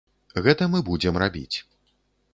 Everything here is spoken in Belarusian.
Гэта мы будзем рабіць.